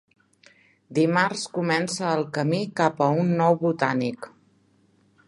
Dimarts comença el camí cap a un nou Botànic